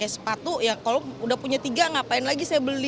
sepatu ya kalau udah punya tiga ngapain lagi saya beli